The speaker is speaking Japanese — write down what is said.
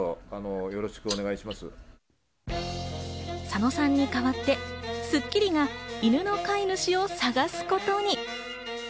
サノさんに代わって『スッキリ』が犬の飼い主を捜すことに。